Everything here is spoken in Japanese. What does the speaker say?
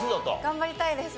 頑張りたいです。